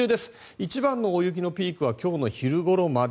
一番の大雪のピークは今日の昼ごろまで。